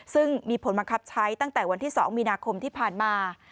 ซึ่งมีผลบังคับใช้ตั้งแต่วันที่๒มีนาคมที่ผ่านมา